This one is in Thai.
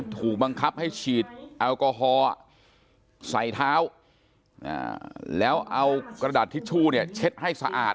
ถูกบังคับให้ฉีดแอลกอฮอล์ใส่เท้าแล้วเอากระดาษทิชชู่เนี่ยเช็ดให้สะอาด